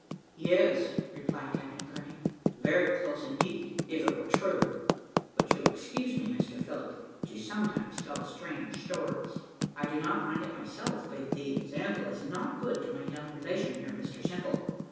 "Yes," replied Captain Kearney, "very close, indeed, if it were true; but you'll excuse me, Mr Phillott, but you sometimes tell strange stories. I do not mind it myself, but the example is not good to my young relation here, Mr Simple."